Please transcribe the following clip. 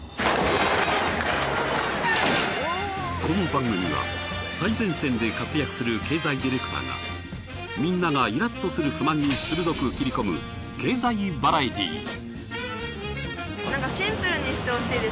この番組は最前線で活躍する経済ディレクターがみんながイラッとする不満に鋭く切り込む経済バラエティー。